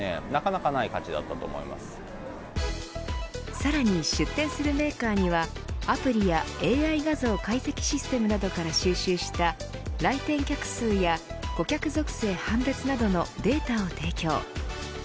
さらに出展するメーカーにはアプリやＡＩ画像解析システムなどから収集した来店客数や顧客属性判別などのデータを提供。